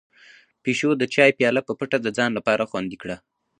پيشو د چای پياله په پټه د ځان لپاره خوندي کړه.